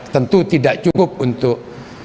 tentu tidak cukup untuk